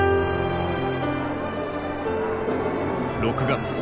６月。